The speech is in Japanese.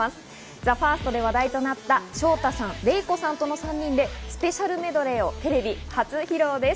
ＴＨＥＦＩＲＳＴで話題となったＳＨＯＴＡさん、ＲＥＩＫＯさんとの３人でスペシャルメドレーをテレビ初披露です。